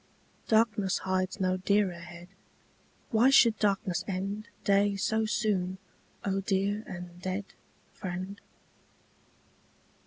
Darkness hides no dearer head: Why should darkness end Day so soon, O dear and dead Friend?